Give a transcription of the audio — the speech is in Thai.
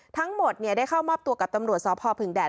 ทั้งหมดได้เข้ามอบตัวกับตำรวจสพผึงแดด